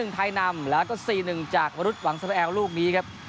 ไทยนำแล้วก็๔๑จากวรุษหวังสมแอลลูกนี้ครับ